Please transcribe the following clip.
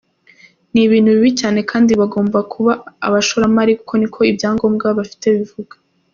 Ni ibintu bibi cyane kandi bagomba kuba abashoramari kuko niko ibyangombwa bafite bivuga.